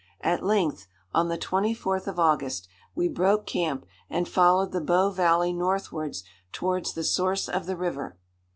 At length, on the 24th of August, we broke camp, and followed the Bow valley northwards towards the source of the river.